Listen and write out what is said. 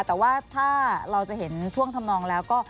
แต่ว่าถ้าเราจะเห็นท่วงทำนองแล้วก็